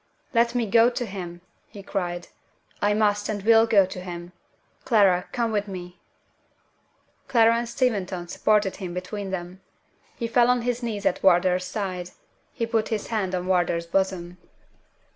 "Let me go to him!" he cried. "I must and will go to him! Clara, come with me." Clara and Steventon supported him between them. He fell on his knees at Wardour's side; he put his hand on Wardour's bosom.